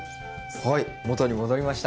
はい元に戻りました。